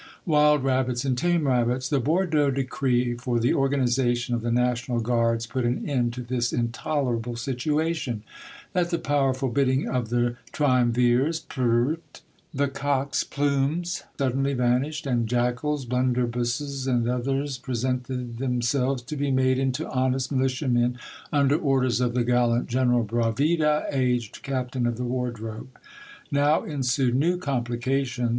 WILD RABBITS AND TAME RABBITS. The Bordeaux decree for the organization of the national guards put an end to this intolerable situation. At the powerful bidding of the tri umvirs, prrrt! the cock's plumes suddenly van ished, and Jackals, Blunderbussers, and others presented themselves to be made into honest militia men, under orders of the gallant General Bravida, aged Captain of the Wardrobe. Now en sued new complications.